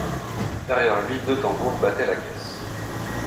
Derrière lui, deux tambours battaient la caisse.